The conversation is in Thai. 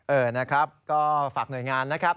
เออนะครับก็ฝากหน่วยงานนะครับ